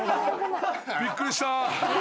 びっくりした！